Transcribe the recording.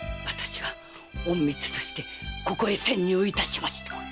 私は隠密としてここへ潜入いたしました。